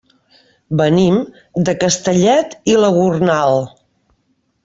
Venim de Castellet i la Gornal.